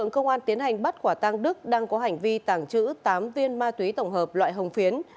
cơ quan tiến hành bắt quả tang đức đang có hành vi tàng trữ tám viên ma túy tổng hợp loại hồng phiến